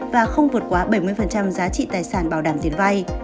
và không vượt quá bảy mươi giá trị tài sản bảo đảm diệt vay